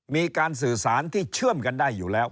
มีการสื่อสารที่เชื่อมกันได้อยู่แล้ว